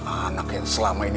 anak yang selama ini